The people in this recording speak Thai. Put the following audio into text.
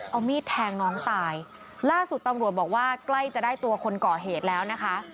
เอามีดแทงน้องตายล่าสุดตำรวจบอกว่าใกล้จะได้ตัวคนก่อเหตุแล้วนะคะ